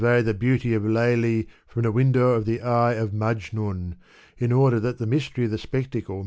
y the beauty of Laili from the window of the eye af Majniin^ in order that the mystery of the spectacle mi.